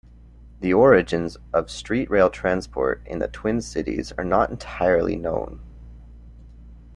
The origins of street rail transport in the Twin Cities are not entirely known.